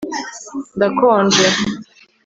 Ndakonje